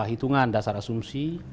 hitungan dasar asumsi